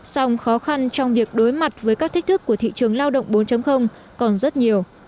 song khó khăn trong việc đối mặt với các thách thức của thị trường lao động bốn còn rất nhiều